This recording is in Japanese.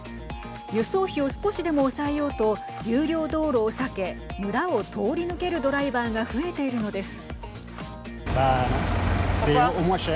輸送費を少しでも抑えようと有料道路を避け村を通り抜けるドライバーが増えているのです。